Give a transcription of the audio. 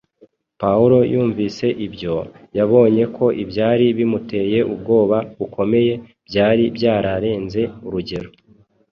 Pawulo yumvise ibyo, yabonye ko ibyari bimuteye ubwoba bukomeye byari byararenze urugero.